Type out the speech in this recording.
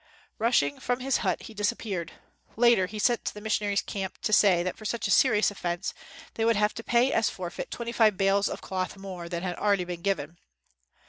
Bushing from his hut, he disappeared. Later he sent to the missionaries' camp to say that for such a serious offense they would have to pay as a forfeit twenty five bales of cloth more than had already been given.